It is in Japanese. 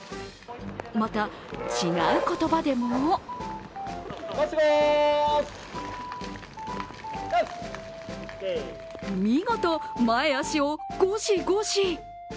また、違う言葉でも見事、前足をゴシゴシ。